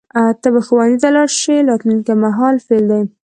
ته به ښوونځي ته لاړ شې راتلونکي مهال فعل دی.